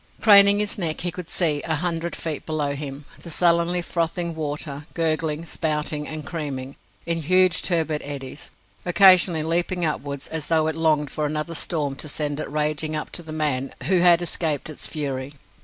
Craning his neck, he could see, a hundred feet below him, the sullenly frothing water, gurgling, spouting, and creaming, in huge turbid eddies, occasionally leaping upwards as though it longed for another storm to send it raging up to the man who had escaped its fury.